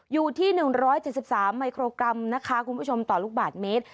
อยู่ที่๑๗๓มิโครกรัมต่อลูกบาทเมตร